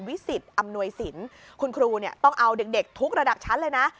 สิทธิ์อำนวยสินคุณครูเนี่ยต้องเอาเด็กทุกระดับชั้นเลยนะ